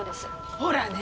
ほらね！